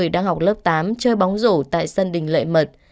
đang học lớp tám chơi bóng rổ tại sân đình lệ mật